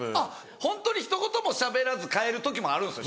ホントにひと言もしゃべらず帰る時もあるんですよ